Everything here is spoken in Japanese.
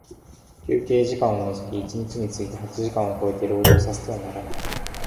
休憩時間を除き一日について八時間を超えて、労働させてはならない。